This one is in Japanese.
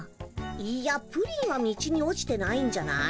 いやプリンは道に落ちてないんじゃない？